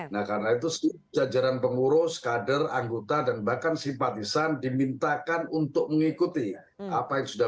nah karena itu sejajaran pengurus kader anggota dan bahkan simpatisannya